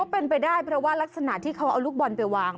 เป็นไปได้เพราะว่ารักษณะที่เขาเอาลูกบอลไปวาง